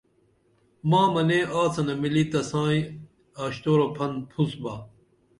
ماں منے آڅینہ ملی تسائی آشتُرُوپھن پُھسبا